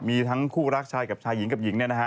มีทั้งคู่รักชายกับชายหญิงกับหญิง